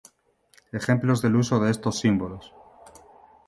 Ejemplos del uso de estos símbolos.